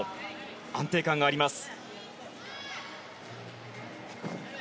安定感があります。